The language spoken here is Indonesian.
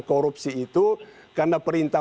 korupsi itu karena perintah